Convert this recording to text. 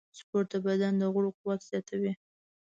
سپورت د بدن د غړو قوت زیاتوي.